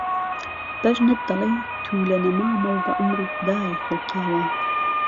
بهژنت دهڵێی تووله نهمامه و به عومری خودای خوڵقاوه